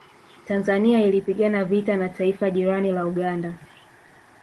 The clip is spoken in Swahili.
Tanzania ilipigana vita na taifa jirani la Uganda